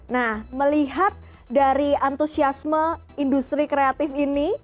nah melihat dari antusiasme industri kreatif ini